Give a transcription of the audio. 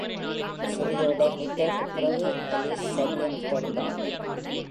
சிறிய இடைநிற்றலுக்குப் பிறகு Alice “சரி!” என தொடர்ந்தாள்